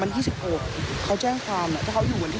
มันไม่ใช่เรื่องจริงปะคะ